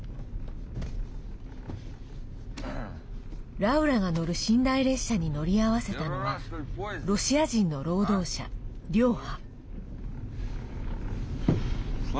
ラウラが乗る寝台列車に乗り合わせたのはロシア人の労働者、リョーハ。